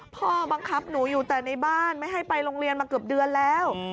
พ่อบังคับหนูอยู่แต่ในบ้านไม่ให้ไปโรงเรียนมาเกือบเดือนแล้ว